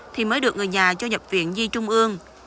thì mới được người nhà cho nhập viện di trung ương